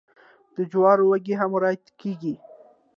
د جوارو وږي هم وریت کیږي.